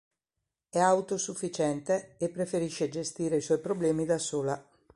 È autosufficiente e preferisce gestire i suoi problemi da sola.